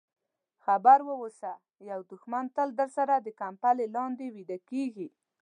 خبر واوسه یو دښمن تل درسره د کمپلې لاندې ویده کېږي.